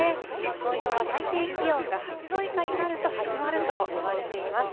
紅葉は最低気温が８度以下になると始まるといわれています。